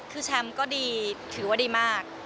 คือแชมป์ก็ดีถือว่าดีมาก